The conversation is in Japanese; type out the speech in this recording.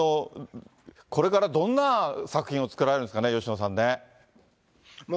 これからどんな作品を作られるんですかね、吉野さんね。